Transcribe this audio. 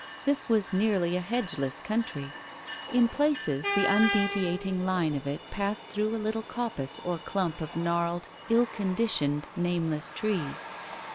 This was nearly a hedgeless country. In places the undeviating line of it passed through a little coppice or clump of gnarled, ill conditioned, nameless trees.